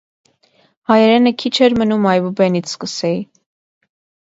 Հայերենը քիչ էր մնում այբուբենից սկսեի: